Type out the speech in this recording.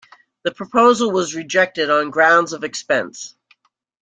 The proposal was rejected on grounds of expense.